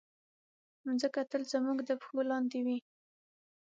مځکه تل زموږ د پښو لاندې وي.